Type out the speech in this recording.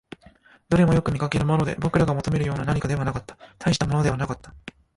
どれもよく見かけるもので、僕らが求めるような何かではなかった、大したものではなかった